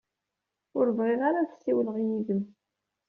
Ur bɣiɣ ara ad ssiwleɣ yid-m.